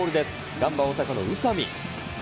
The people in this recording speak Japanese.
ガンバ大阪の宇佐見。